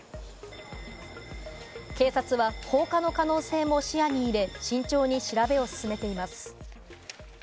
警察は放火の可能性も視野に入れ、慎重に調べを進めています。